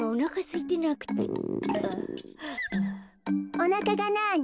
おなかがなに？